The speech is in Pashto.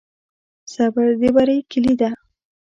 صبر د بری کلي ده.